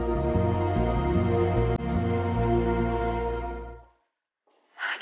terus aja sampe sekarang